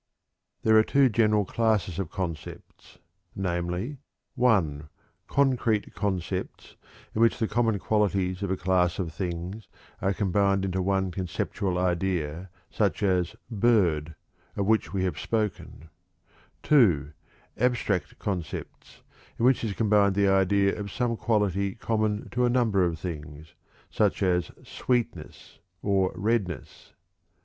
There are two general classes of concepts, namely: (1) concrete concepts, in which the common qualities of a class of things are combined into one conceptual idea, such as "bird," of which we have spoken; (2) abstract concepts, in which is combined the idea of some quality common to a number of things, such as "sweetness" or "redness."